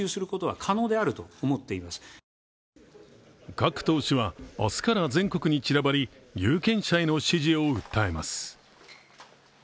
各党首は明日から全国に散らばり有権者への支持を訴えます。